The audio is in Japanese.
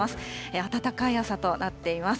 暖かい朝となっています。